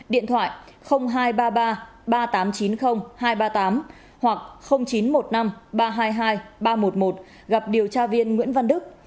điện thoại hai trăm ba mươi ba ba nghìn tám trăm chín mươi hai trăm ba mươi tám hoặc chín trăm một mươi năm ba trăm hai mươi hai ba trăm một mươi một gặp điều tra viên nguyễn văn đức